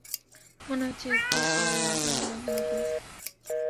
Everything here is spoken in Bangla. মনে হচ্ছে, একটু পরেই আবহাওয়া রঙ বদলাবে।